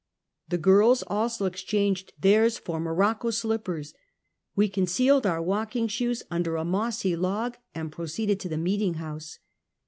The girls also exchanged theirs for mo rocco slippers. We concealed our walking shoes under a mossy log and proceeded to the meeting house.